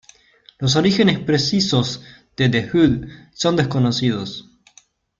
Los orígenes precisos de The Hood son desconocidos.